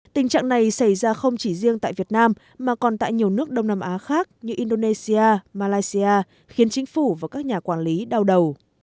tình trạng này xảy ra không chỉ riêng tại việt nam mà còn tại nhiều nước đông nam á khác như indonesia malaysia khiến chính phủ và các nhà quản lý đau đầu